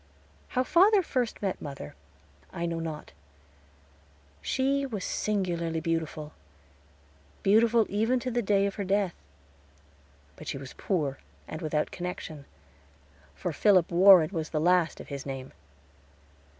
How father first met mother I know not. She was singularly beautiful beautiful even to the day of her death; but she was poor, and without connection, for Philip Warren was the last of his name.